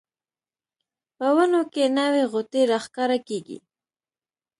په ونو کې نوې غوټۍ راښکاره کیږي